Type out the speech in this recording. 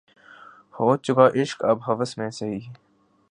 ہو چکا عشق اب ہوس ہی سہی